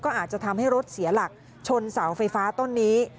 อาจจะทำให้รถเสียหลักชนเสาไฟฟ้าต้นนี้